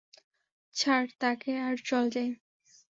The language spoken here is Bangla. ছাড় তাকে আর চল যাই!